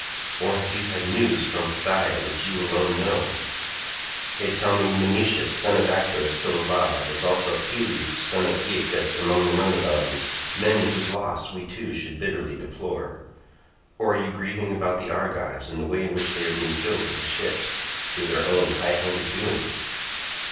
or have you had news from Phthia which you alone know? They tell me Menoetius son of Actor is still alive, as also Peleus son of Aeacus, among the Myrmidons—men whose loss we two should bitterly deplore; or are you grieving about the Argives and the way in which they are being killed at the ships, through their own high handed doings?